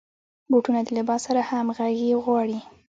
بوټونه د لباس سره همغږي غواړي.